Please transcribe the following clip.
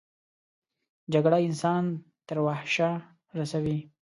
جګړه انسان تر وحشه رسوي